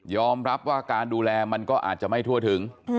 รับว่าการดูแลมันก็อาจจะไม่ทั่วถึง